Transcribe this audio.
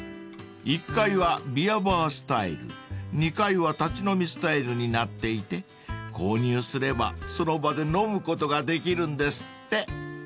［１階はビアバースタイル２階は立ち飲みスタイルになっていて購入すればその場で飲むことができるんですって］